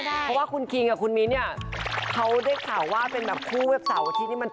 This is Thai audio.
เพราะว่าคุณคิงกับคุณมิ้นเนี่ยเขาได้ข่าวว่าเป็นแบบคู่แบบเสาร์อาทิตย์นี่มัน